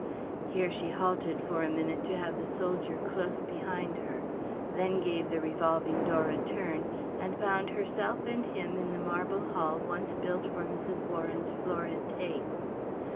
Here she halted for a minute to have the soldier close behind her; then gave the revolving door a turn and found herself and him in the marble hall once built for Mrs. Warren's florid taste.